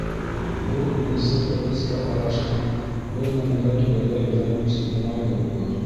Был уйынсыҡ бәпескә ҡарашын бер нәмәгә төбәргә өйрәнеү өсөн уңайлы булыр.